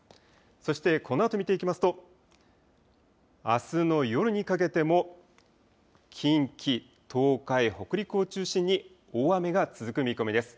そして、このあと見ていきますとあすの夜にかけても近畿、東海、北陸を中心に大雨が続く見込みです。